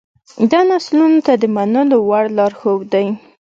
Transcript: دا نسلونو ته د منلو وړ لارښود دی.